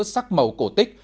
sắc màu cổ tích